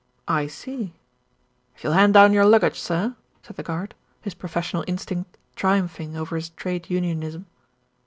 "I see." "If you'll hand down your luggage, sir," said the guard, his professional instinct triumphing over his trade unionism.